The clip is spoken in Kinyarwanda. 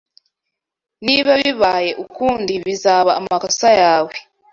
Niba bibaye ukundi bizaba amakosa yawe